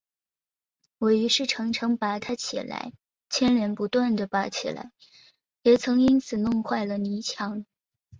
我于是常常拔它起来，牵连不断地拔起来，也曾因此弄坏了泥墙